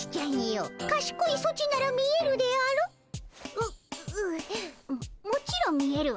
うううももちろん見えるわ。